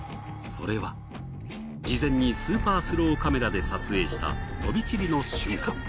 それは事前にスーパースローカメラで撮影した飛び散りの瞬間。